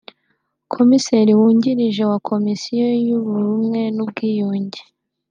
Komiseri wungirije wa Komisiyo y’Ubumwe n’Ubwiyunge